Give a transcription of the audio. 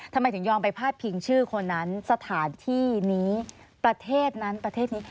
ทำไมถึงยอมไปพาดพิงชื่อคนนั้นสถานที่นี้ประเทศนั้นประเทศนี้